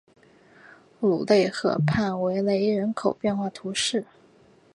鲁勒河畔维雷人口变化图示